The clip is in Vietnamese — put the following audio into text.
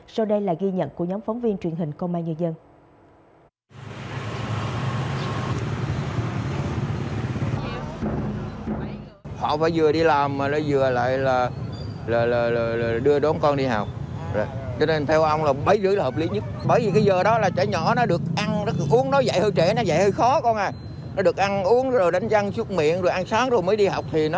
sau đây là ghi nhận của nhóm phóng viên truyền hình công an nhà dân